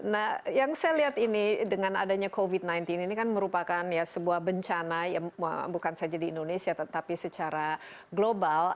nah yang saya lihat ini dengan adanya covid sembilan belas ini kan merupakan sebuah bencana yang bukan saja di indonesia tetapi secara global